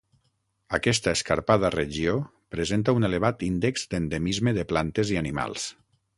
Aquesta escarpada regió presenta un elevat índex d'endemisme de plantes i animals.